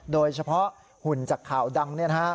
โดยเฉพาะหุ่นจากข่าวดังเนี่ยฮะ